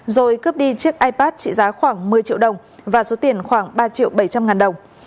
rồi cướp đi chiếc ipad trị giá khoảng một mươi triệu đồng và số tiền khoảng ba triệu bảy trăm linh ngàn đồng